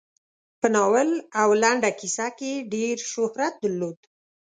په ناول او لنډه کیسه کې یې ډېر شهرت درلود.